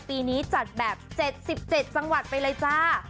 ปีนี้จัดแบบ๗๗จังหวัดไปเลยจ้า